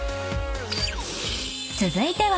［続いては］